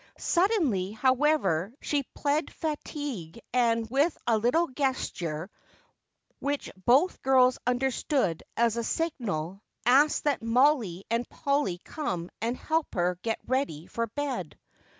Suddenly, however, she plead fatigue and with a little gesture, which both girls understood as a signal, asked that Mollie and Polly come and help her get ready for bed.